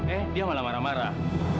eh dia malah marah marah